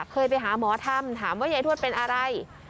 เคยไปหาหมอธรรมถามว่ายายทวดเป็นอะไร